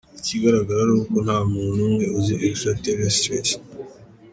Ikigaragara, nuko nta muntu numwe uzi Extra-terrestres.